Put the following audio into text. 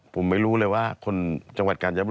ผมไม่รู้เลยว่าคนจังหวัดกาญจนบุรี